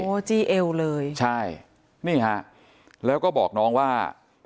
จี้เอวเลยใช่นี่ฮะแล้วก็บอกน้องว่า